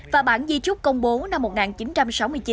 và bản di trúc công bố năm một nghìn chín trăm sáu mươi chín